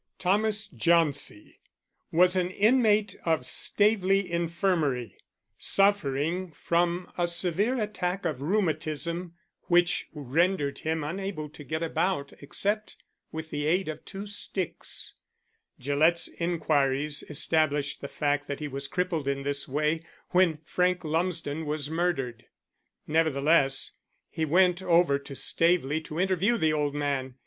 Thomas Jauncey was an inmate of Staveley Infirmary, suffering from a severe attack of rheumatism which rendered him unable to get about except with the aid of two sticks. Gillett's inquiries established the fact that he was crippled in this way when Frank Lumsden was murdered. Nevertheless, he went over to Staveley to interview the old man.